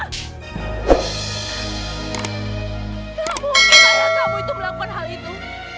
nggak mungkin ayah kamu itu melakukan hal itu